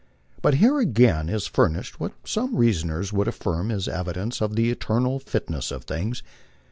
But here again is furnished what some reasoners would affirm is evidence of the "eternal fitness of things."